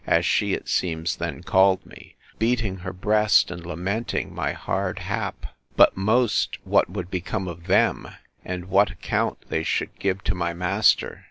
as she, it seems, then called me, beating her breast, and lamenting my hard hap; but most what would become of them, and what account they should give to my master.